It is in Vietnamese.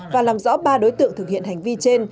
và làm rõ ba đối tượng thực hiện hành vi trên